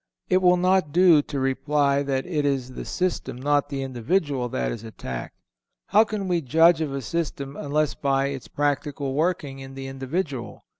It will not do to reply that it is the system, not the individual, that is attacked. How can we judge of a system unless by its practical working in the individual?